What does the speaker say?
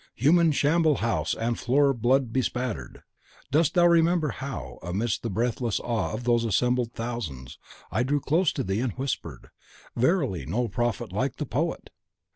human shamble house and floor blood bespattered!" (Aesch. "Agam." 1098.) Dost thou remember how, amidst the breathless awe of those assembled thousands, I drew close to thee, and whispered, "Verily, no prophet like the poet!